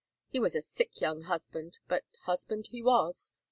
He was a sick young husband, but husband he was.